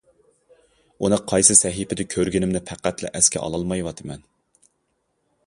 ئۇنى قايسى سەھىپىدە كۆرگىنىمنى پەقەتلا ئەسكە ئالالمايۋاتىمەن.